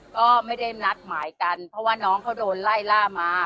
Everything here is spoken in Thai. ก็ไม่ได้นัดหมายกันเพราะว่าน้องเขาโดนไล่ล่ามา